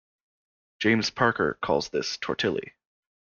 James Parker calls this tortilly.